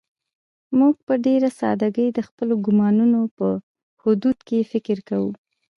موږ په ډېره سادهګۍ د خپلو ګومانونو په حدودو کې فکر کوو.